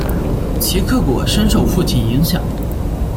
齐克果深受父亲影响。